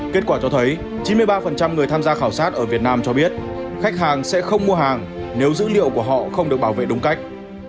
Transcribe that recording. kết quả cho thấy chín mươi ba người tham gia khảo sát ở việt nam cho biết khách hàng sẽ không mua hàng nếu dữ liệu của họ không được bảo vệ đúng cách